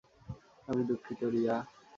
আমি দুঃখিত, রিয়া।